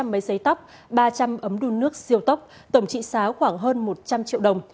hai trăm linh máy xây tóc ba trăm linh ấm đun nước siêu tóc tổng trị xá khoảng hơn một trăm linh triệu đồng